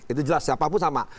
itu jelas siapapun sama